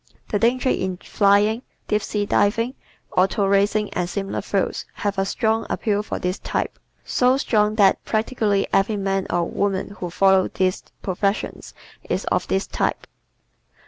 The danger in flying, deep sea diving, auto racing and similar fields has a strong appeal for this type so strong that practically every man or woman who follows these professions is of this type.